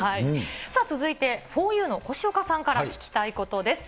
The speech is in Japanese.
さあ、続いて、ふぉゆの越岡さんから聞きたいことです。